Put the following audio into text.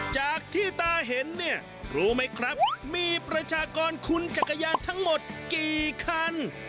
จากที่ตาเห็นเนี่ยรู้ไหมครับมีประชากรคุณจักรยานทั้งหมดกี่คัน